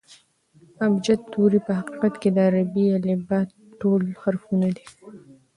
ابجد توري په حقیقت کښي د عربي الفبې ټول حرفونه دي.